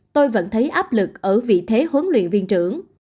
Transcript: tôi vẫn thấy áp lực ở vị thế huấn luyện viên trưởng